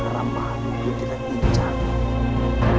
ramahannya kita tidak mencari